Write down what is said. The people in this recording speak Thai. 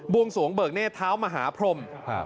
วงสวงเบิกเนธเท้ามหาพรม